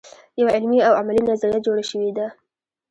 یوه علمي او عملي نظریه جوړه شوې ده.